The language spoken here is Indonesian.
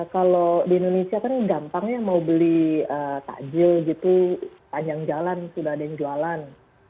kalau di indonesia kan gampang ya mau beli takjil gitu panjang jalan sudah ada yang jualan